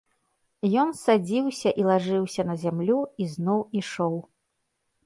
Ён садзіўся і лажыўся на зямлю і зноў ішоў.